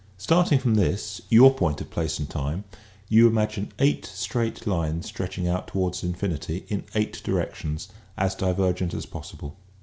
Starting from this, your point of place and time, you imagine eight straight lines stretch ing out toward infinity in eight directions as divergent as possible.